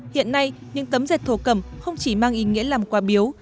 hiện nay những tấm dệt thổ cẩm không chỉ mang ý nghĩa làm quà biếu